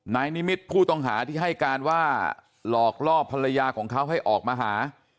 นายนิมิตรผู้ต้องหาที่ให้การว่าหลอกล่อภรรยาของเขาให้ออกมาหา